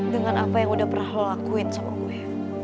dengan apa yang udah pernah lo lakuin sama gue